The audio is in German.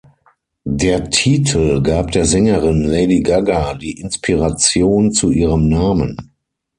Der Titel gab der Sängerin Lady Gaga die Inspiration zu ihrem Namen.